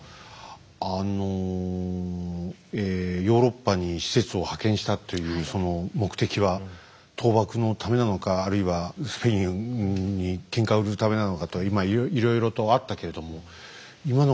あのえヨーロッパに使節を派遣したというその目的は倒幕のためなのかあるいはスペインにケンカ売るためなのかと今いろいろとあったけれども今のが一番説得力あるよね。